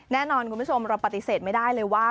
แน่นอนคุณผู้ชมเราปฏิเสธไม่ได้เลยว่า